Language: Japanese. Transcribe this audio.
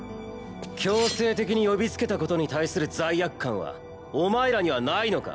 強制的に呼びつけたことに対する罪悪感はお前らにはないのか？